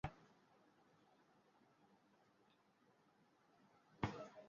তাই, ‘মৃত্তিকা বলবিদ্যা’ এবং ‘শৈল বলবিদ্যা’ গতানুগতিক বলবিদ্যা থেকে স্বতন্ত্র।